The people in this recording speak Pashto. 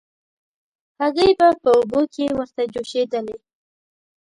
هګۍ به په اوبو کې ورته جوشېدلې.